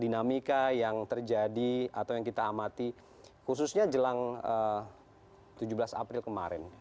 dinamika yang terjadi atau yang kita amati khususnya jelang tujuh belas april kemarin